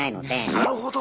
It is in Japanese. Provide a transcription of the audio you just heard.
なるほど。